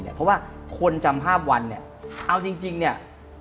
เพราะว่าคนจำภาพวันเนี่ยเอาจริงเนี่ย